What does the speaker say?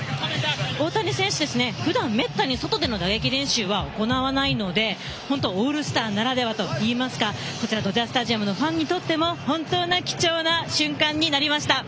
大谷選手、ふだんめったに外での打撃練習は行わないので本当にオールスターならではといいますかこちら、ドジャースタジアムのファンにとっても本当に、貴重な瞬間になりました。